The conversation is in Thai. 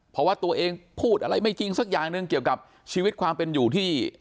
เพราะว่าตัวเองพูดอะไรไม่จริงสักอย่างหนึ่งเกี่ยวกับชีวิตความเป็นอยู่ที่